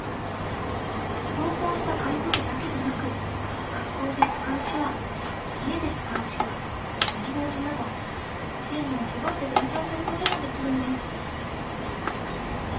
放送した回ごとだけでなく学校で使う手話家で使う手話指文字などテーマを絞って勉強することもできるんです。